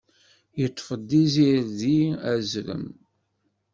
Yeṭṭef-d izirdi azrem.